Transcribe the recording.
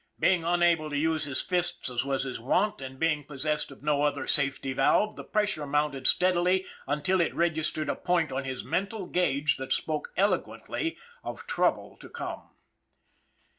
Being unable to use his fists as was his wont, and being possessed of no other safety valve, the pressure mounted steadily until it registered a point on his mental gauge that spoke eloquently of trouble to come.